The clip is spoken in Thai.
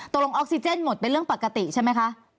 ลงออกซิเจนหมดเป็นเรื่องปกติใช่ไหมคะ